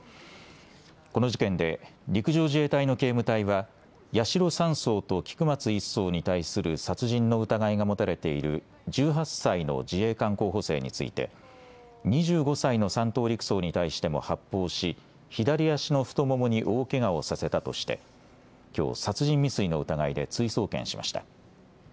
この事件で陸上自衛隊の警務隊は八代３曹と菊松１曹に対する殺人の疑いが持たれている１８歳の自衛官候補生について２５歳の３等陸曹に対しても発砲し左足の太ももに大けがをさせたとしてきょう殺人未遂の疑いで追送検しました。